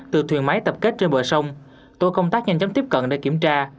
từ thuyền máy tập kết trên bờ sông tổ công tác nhanh chóng tiếp cận để kiểm tra